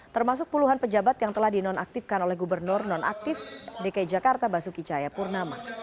termasuk puluhan pejabat yang telah dinonaktifkan oleh gubernur nonaktif dki jakarta basuki cahayapurnama